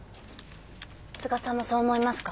須賀さんもそう思いますか？